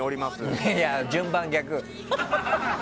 いやいや、順番逆！